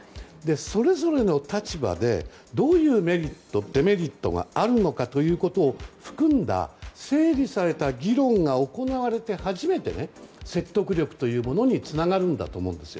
それぞれの立場でどういうメリット、デメリットがあるのかということを含んだ、整理された議論が行われて初めて説得力というものにつながるんだと思うんですよ。